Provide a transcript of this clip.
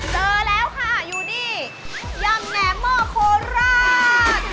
เจอแล้วค่ะอยู่ที่ยำแหนมหม้อโคราช